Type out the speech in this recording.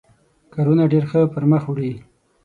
کارونه ډېر ښه پر مخ وړي.